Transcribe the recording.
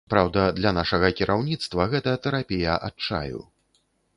Праўда, для нашага кіраўніцтва гэта тэрапія адчаю.